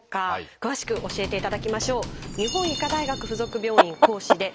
詳しく教えていただきましょう。